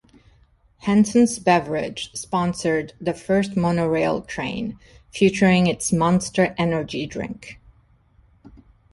Hansens Beverage sponsored the first monorail train, featuring its Monster Energy drink.